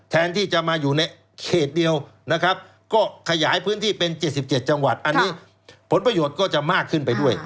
แทนที่จะมาอยู่ในเขตเดียวนะครับก็ขยายพื้นที่เป็น๗๗จังหวัดอันนี้ผลประโยชน์ก็จะมากขึ้นไปด้วย